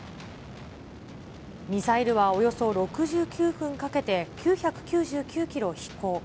ミサイルはおよそ６９分かけて、９９９キロ飛行。